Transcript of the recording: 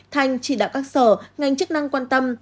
thành chỉ đạo các sở ngành chức năng quan tâm